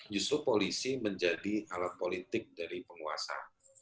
justru polisi menjadi alat politik dari penguasa